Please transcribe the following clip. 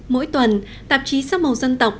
mỗi tuần tạp chí sắc màu dân tộc